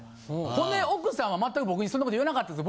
ほんで奥さんは全く僕にそんなこと言わなかったんです。